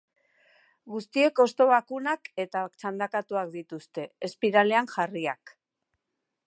Guztiek hosto bakunak eta txandakatuak dituzte, espiralean jarriak.